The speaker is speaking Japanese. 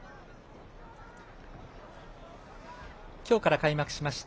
きょうから開幕しました